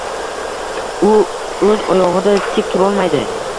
U oʻz oyogʻida tik turolmaydi.